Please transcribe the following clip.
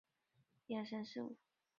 彼得利用消防队的高压水将其制伏。